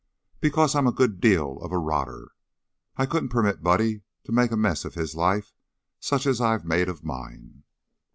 "Because I'm a good deal of a rotter. I couldn't permit Buddy to make a mess of his life, such as I've made of mine."